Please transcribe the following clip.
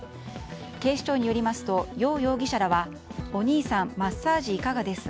警視庁によりますとヨウ容疑者らはお兄さんマッサージいかがです？